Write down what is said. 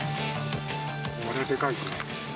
これ、でかいですね。